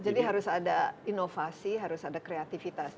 jadi harus ada inovasi harus ada kreativitas